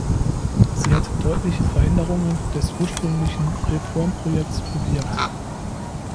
Sie hat deutliche Veränderungen des ursprünglichen Reformprojekts bewirkt.